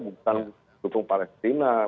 bukan dukung palestina